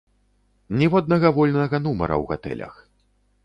Ніводнага вольнага нумара ў гатэлях!